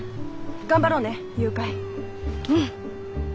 頑張ろうね誘拐。